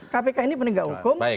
kpk ini penegak hukum